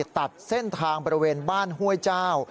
ตัดเส้นทางบริเวณบ้านห้วยเจ้า